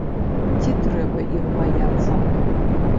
Ці трэба іх баяцца?